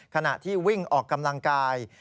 ขณะที่วิ่งออกกำลังกาย